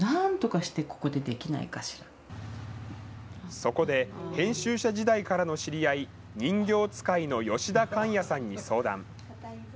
そこで、編集者時代からの知り合い、人形遣いの吉田勘彌さんに相談。